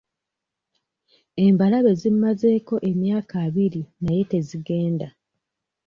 Embalabe zimmazeeko emyaka abiri naye tezigenda.